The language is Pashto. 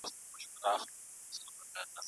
ایا تاسي پوهېږئ چې دا اپلیکیشن څنګه کار کوي؟